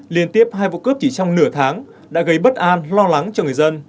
liên tiếp hai vụ cướp chỉ trong nửa tháng đã gây bất an lo lắng cho người dân